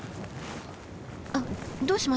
あっどうしました？